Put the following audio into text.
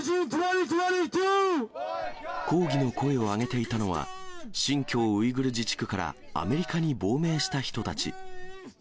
抗議の声を上げていたのは、新疆ウイグル自治区からアメリカに亡命した人たち。